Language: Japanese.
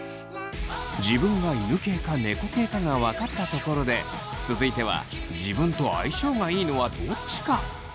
自分が犬系か猫系かが分かったところで続いては自分と相性がいいのはどっちか？